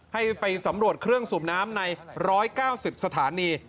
ให้ไปสำรวจเครื่องสูบน้ำใน๑๙๐สถานี